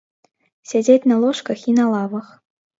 Сядзяць на ложках і на лавах.